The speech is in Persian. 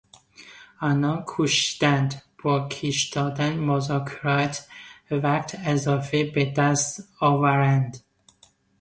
آنان کوشیدند با کش دادن مذاکرات وقت اضافی به دست آورند.